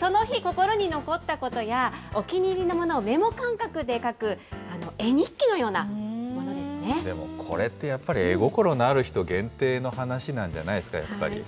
その日、心に残ったことやお気に入りのものをメモ感覚で描く絵日記のようでもこれってやっぱり、絵心のある人限定の話なんじゃないですか、やっぱり。